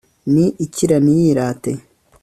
ni ikira ntiyirate